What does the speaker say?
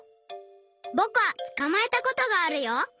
ぼくはつかまえたことがあるよ！